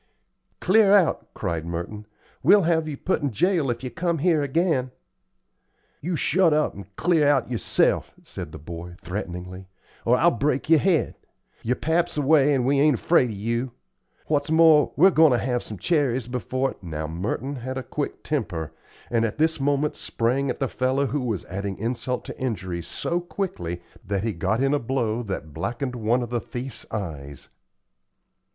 "Clear out," cried Merton. "We'll have you put in jail if you come here again." "You shut up and clear out yerself," said the boy, threateningly, "or I'll break yer head. Yer pap's away, and we ain't afraid of you. What's more, we're goin' ter have some cherries before " Now Merton had a quick temper, and at this moment sprang at the fellow who was adding insult to injury, so quickly that he got in a blow that blackened one of the thief's eyes.